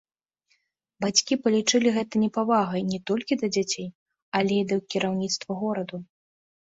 Бацькі палічылі гэта непавагай не толькі да дзяцей, але і да кіраўніцтва гораду.